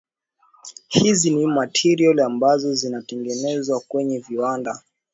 hizi ni materials ambazo zinatengenezwa kwenye viwanda